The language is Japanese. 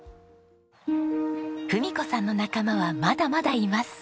郁子さんの仲間はまだまだいます。